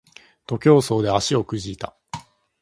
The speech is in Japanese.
徒競走で足をくじいた